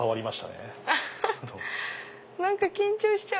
何か緊張しちゃう！